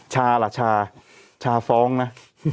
ชาละชาฟ้องนะ